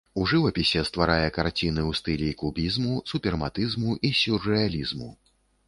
У жывапісе стварае карціны ў стылі кубізму, супрэматызму і сюррэалізму.